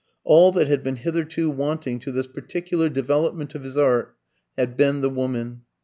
All that had been hitherto wanting to this particular development of his art had been the woman.